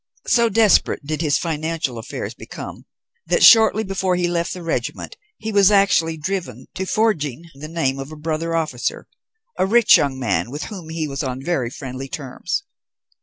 So desperate did his financial affairs become, that shortly before he left the regiment he was actually driven to forging the name of a brother officer, a rich young man, with whom he was on very friendly terms.